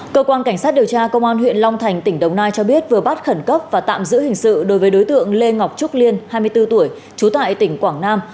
cơ quan cảnh sát điều tra công an huyện long thành tỉnh đồng nai cho biết vừa bắt khẩn cấp và tạm giữ hình sự đối với đối tượng lê ngọc trúc liên hai mươi bốn tuổi trú tại tỉnh quảng nam